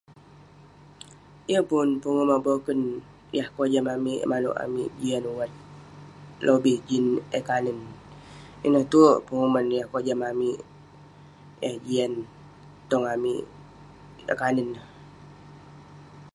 Yeng pun penguman boken yah kojam amik manouk amik jian wat lobih jin eh kanen. Ineh tue penguman yah kojam amik, eh jian tong amik. Yah kanen ineh.